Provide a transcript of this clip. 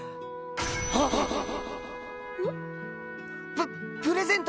ププレゼント